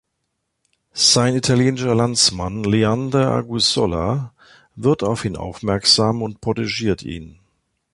Sein italienischer Landsmann Leander Anguissola wird auf ihn aufmerksam und protegiert ihn.